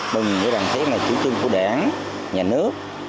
mừng nghĩ rằng thế này chủ trương của đảng nhà nước